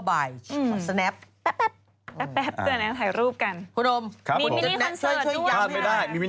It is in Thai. พี่ชอบแซงไหลทางอะเนาะ